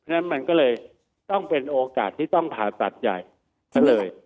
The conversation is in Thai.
ฉะนั้นมันก็เลยต้องเป็นโอกาสที่ต้องผ่าตัดใหญ่ซะเลย